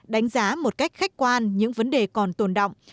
đánh giá một cách khách quan những vấn đề còn tồn động